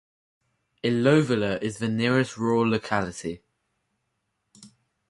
Ilovlya is the nearest rural locality.